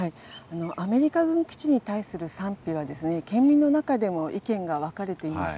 アメリカ軍基地に対する賛否は、県民の中でも意見が分かれています。